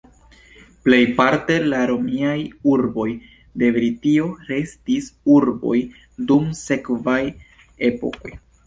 Plejparte la romiaj urboj de Britio restis urboj dum sekvaj epokoj.